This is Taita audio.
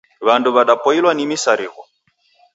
W'andu w'adapoilwa ni misarigho.